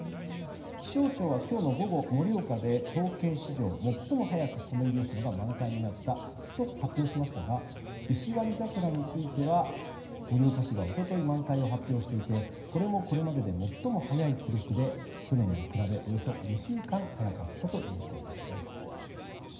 気象庁は今日の午後、盛岡で統計史上最も早くソメイヨシノが満開になったと発表しましたが石割桜については盛岡市が一昨日満開を発表していてこれもこれまでで最も早い記録で去年に比べ、およそ２週間早かったということです。